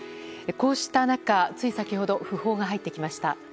こうした中、つい先ほど訃報が入ってきました。